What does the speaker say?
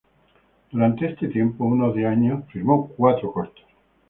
Durante este tiempo, unos diez años, firmó cuatro cortos.